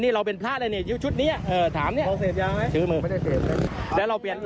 เดี๋ยวเราเปลี่ยนจีวอนที่ไหน